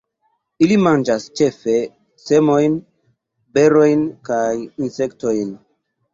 Ili manĝas ĉefe semojn, berojn kaj insektojn.